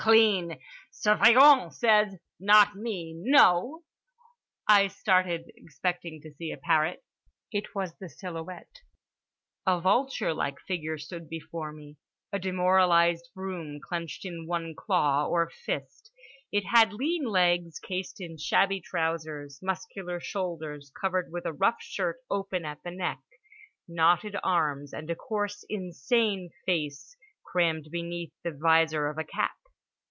Clean. Surveillant says. Not me, no?"—I started, expecting to see a parrot. It was the silhouette. A vulture like figure stood before me, a demoralised broom clenched in one claw or fist: it had lean legs cased in shabby trousers, muscular shoulders covered with a rough shirt open at the neck, knotted arms, and a coarse insane face crammed beneath the visor of a cap.